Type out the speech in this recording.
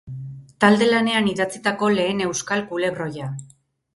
Talde lanean idatzitako lehen euskal kulebroia.